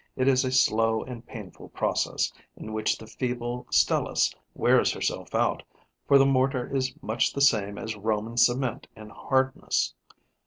It is a slow and painful process, in which the feeble Stelis wears herself out, for the mortar is much the same as Roman cement in hardness.